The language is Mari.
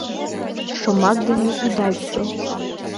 Шомак дене ида вӱдыл!